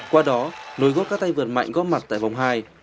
qua đó nối gốt các tay vượt mạnh góp mặt tại vòng hai